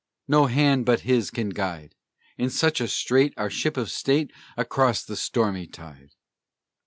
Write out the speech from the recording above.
No hand but his can guide, In such a strait, our ship of state Across the stormy tide."